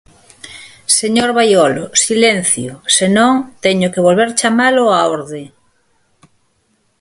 Señor Baiolo, silencio, se non, teño que volver chamalo á orde.